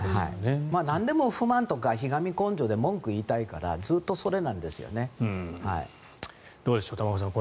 なんでも不満とかひがみ根性で文句を言いたいからどうでしょう玉川さん。